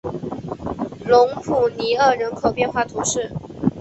隆普尼厄人口变化图示